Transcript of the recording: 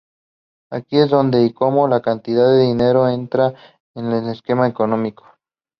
Aquí es donde, y cómo, la cantidad de dinero entra en el esquema económico.